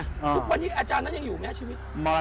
ทุกวันนี้อาจารย์นั้นยังอยู่ไหมชีวิต